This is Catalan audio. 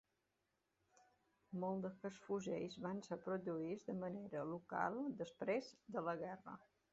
Molts d'aquests fusells van ser produïts de manera local després de la guerra.